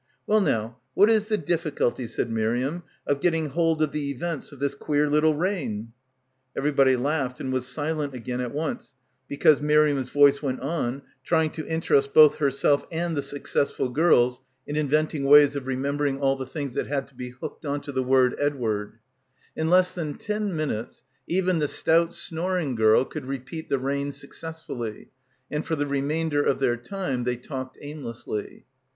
"Well now, what is the difficulty, ,, said Miriam, "of getting hold of the events of this queer little reign?" Everybody laughed and was silent again at once because Miriam's voice went on, trying to interest both herself and the success ful girls in inventing ways of remembering all the things that had to be "hooked on to the word Ed — 117 — PILGRIMAGE ward." In less than ten minutes even the stout snoring girl could repeat the reign successfully, and for the remainder of their time they talked aimlessly.